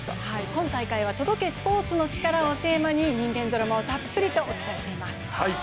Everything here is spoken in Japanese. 今大会は「届け、スポーツのチカラ」をテーマに人間ドラマをたっぷりとお伝えしています。